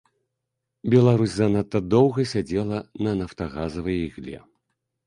Беларусь занадта доўга сядзела на нафтагазавай ігле.